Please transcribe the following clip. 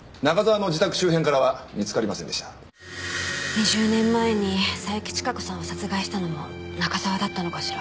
２０年前に佐伯千加子さんを殺害したのも中沢だったのかしら？